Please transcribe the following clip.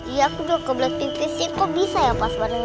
iya aku udah kebelet pipis sih kok bisa ya pas bareng